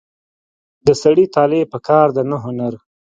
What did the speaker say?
د سړي طالع په کار ده نه هنر.